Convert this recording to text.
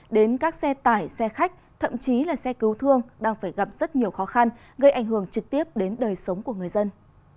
đến các xe tải xe khách thậm chí là xe cứu thương đang phải gặp rất nhiều khó khăn gây ảnh hưởng trực tiếp đến đời sống của người dân